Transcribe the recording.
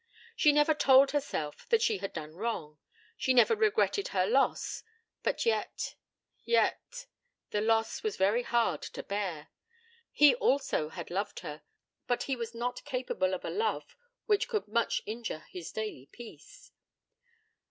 She never told herself that she had done wrong; she never regretted her loss; but yet yet! the loss was very hard to bear. He also had loved her, but he was not capable of a love which could much injure his daily peace.